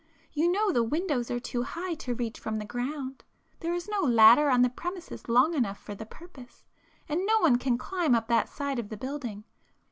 You know the windows are too high to reach from the ground,—there is no ladder on the premises long enough for the purpose,—and no one can climb up that side of the building.